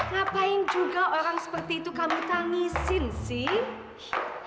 ngapain juga orang seperti itu kamu tangisin sih